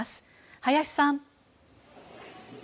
林さん。